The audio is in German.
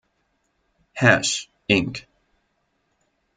Hash, Inc.